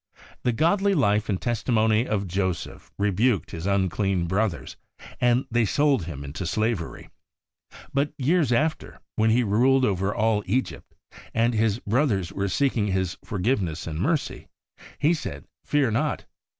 The godly life and testimony of Joseph rebuked his unclean brothers, and they sold him into slavery. But years after, when he ruled over all Egypt, and his brothers were seeking his forgiveness and mercy, he said, ' Fear not